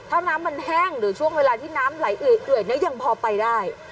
ถ้าน้ำมันแห้งหรือช่วงเวลาที่น้ำไหลเอื่อยนี้ยังพอไปได้